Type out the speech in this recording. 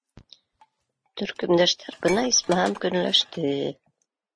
Төркөмдәштәр бына исмаһам көнләште!